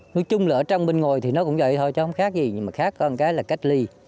nói chung là ở trong bên ngồi thì nó cũng vậy thôi chứ không khác gì nhưng mà khác có một cái là cách ly